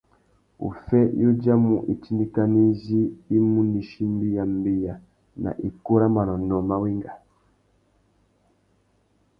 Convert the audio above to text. Uffê i udjamú itindikana izí i mú nà ichimbî ya mbeya na ikú râ manônōh mà wenga.